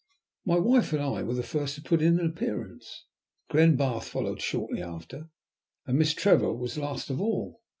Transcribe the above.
My wife and I were the first to put in an appearance, Glenbarth followed shortly after, and Miss Trevor was last of all.